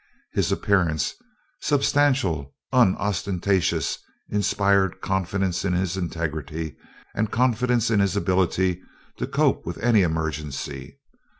His appearance substantial, unostentatious inspired confidence in his integrity and confidence in his ability to cope with any emergency.